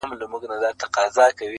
غوښه په تنور کې پخېده.